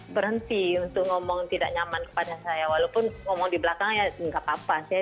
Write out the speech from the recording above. berhenti untuk ngomong tidak nyaman kepada saya walaupun ngomong di belakang ya nggak apa apa saya